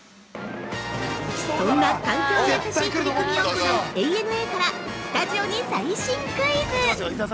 そんな環境に優しい取り組みを行うＡＮＡからスタジオに最新クイズ！！